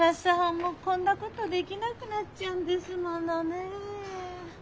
もうこんなことできなくなっちゃうんですものねえ。